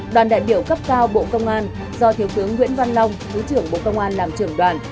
đoàn đại biểu cấp cao bộ công an do thiếu tướng nguyễn văn long thứ trưởng bộ công an làm trưởng đoàn